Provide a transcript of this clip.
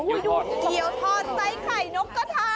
รุกเกียวถอนใส่ไข่นกกระทา